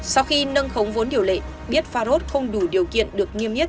sau khi nâng khống vốn điều lệ biết farros không đủ điều kiện được niêm yết